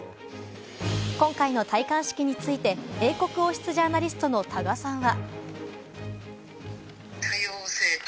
今回の戴冠式について英国王室ジャーナリストの多賀さんは。